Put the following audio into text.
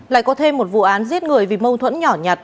lại có thêm một vụ án giết người vì mâu thuẫn nhỏ nhặt